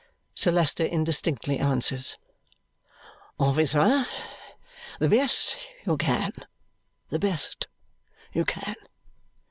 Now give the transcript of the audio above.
Sir Leicester indistinctly answers, "Officer. The best you can, the best you can!"